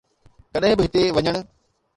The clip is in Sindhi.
ڪڏهن به هتي وڃڻ